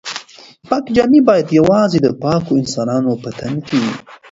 پاکې جامې باید یوازې د پاکو انسانانو په تن کې وي.